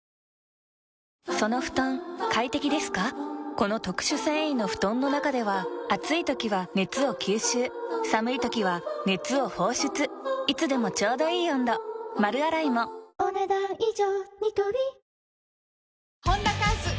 この特殊繊維の布団の中では暑い時は熱を吸収寒い時は熱を放出いつでもちょうどいい温度丸洗いもお、ねだん以上。